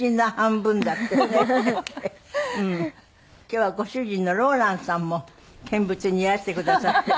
今日はご主人のローランさんも見物にいらしてくださって。